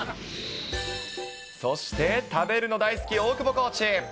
そして、食べるの大好き、大久保コーチ。